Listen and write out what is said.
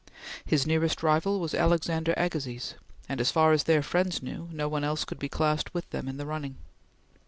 His nearest rival was Alexander Agassiz, and, as far as their friends knew, no one else could be classed with them in the running.